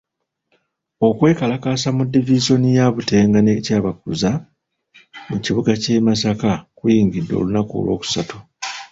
Okwekalakaasa mu divisoni ya Butego ne Kyabakuza mu kibuga ky'e Masaka kuyingidde olunaku olw'okusatu.